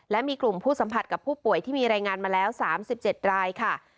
และมีกลุ่มผู้สัมผัสกับผู้ป่วยที่มีรายงานมาแล้ว๓๗รายค่ะ